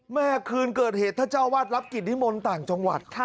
เมื่อคืนเกิดเหตุท่านเจ้าวาดรับกิจนิมนต์ต่างจังหวัด